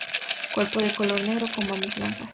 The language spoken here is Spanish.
Cuerpo de color negro con bandas blancas.